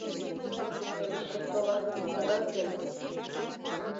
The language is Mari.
— Мӧҥгышкет толат гын, могай плен?